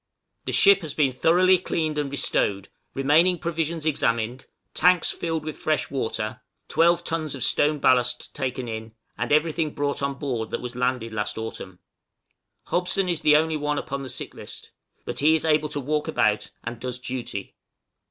_ The ship has been thoroughly cleaned and restowed, remaining provisions examined, tanks filled with fresh water, 12 tons of stone ballast taken in, and everything brought on board that was landed last autumn. Hobson is the only one upon the sick list; but he is able to walk about and does duty.